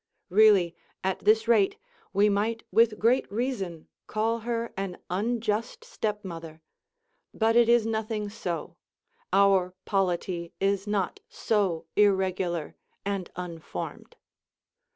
Really, at this rate, we might with great reason call her an unjust stepmother: but it is nothing so, our polity is not so irregular and unformed.